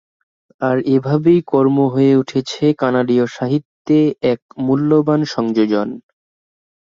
আর এভাবেই কর্ম হয়ে উঠেছে কানাডীয় সাহিত্যে এক মূল্যবান সংযোজন।